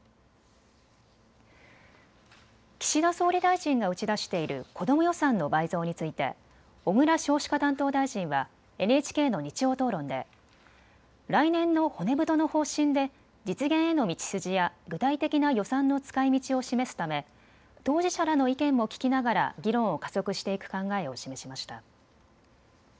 岸田総理大臣が打ち出している子ども予算の倍増について小倉少子化担当大臣はＮＨＫの日曜討論で来年の骨太の方針で実現への道筋や具体的な予算の使いみちを示すため当事者らの意見も聞きながら議論を加速していく考えを示しました。